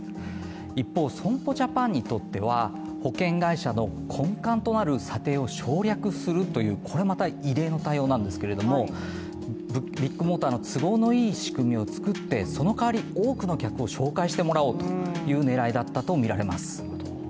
一方、損保ジャパンにとっては保険会社の根幹となる査定を省略するというこれまた異例の対応なんですけれどもビッグモーターの都合のいい仕組みを作ってその代わり、多くの客を紹介してもらうという狙いだったとみられます。